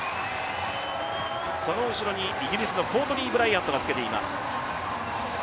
その後ろにイギリスのコートニーブライアントがつけています。